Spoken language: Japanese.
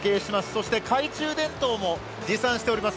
そして懐中電灯も持参しております。